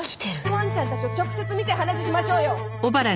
わんちゃんたちを直接見て話しましょうよ！